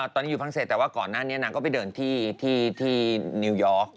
ตอนนี้อยู่ฝรั่งเศสแต่ว่าก่อนหน้านี้นางก็ไปเดินที่นิวยอร์ก